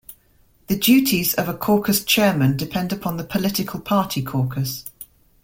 The duties of a caucus chairman depend upon the political party caucus.